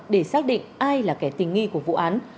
để xác định ai là kẻ tình nghi của vụ án